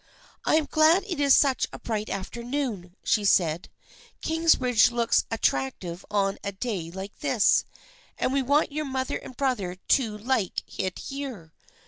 " I am glad it is such a bright afternoon," she said. " Kingsbridge looks attractive on a day like this and we want your mother and brother to like it here.